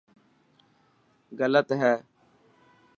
گلت هي.